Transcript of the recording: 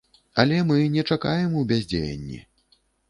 Але мы не чакаем у бяздзеянні.